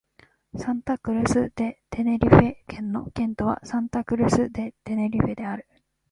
サンタ・クルス・デ・テネリフェ県の県都はサンタ・クルス・デ・テネリフェである